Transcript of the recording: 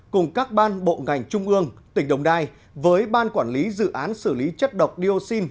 cùng các ban bộ ngành trung ương tỉnh đồng nai với ban quản lý dự án xử lý chất độc dioxin